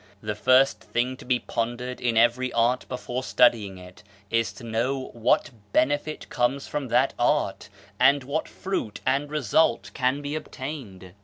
The first thing to be pondered in every art before studying it, is to know what benefit comes from that art, and what fruit and result can be obtained.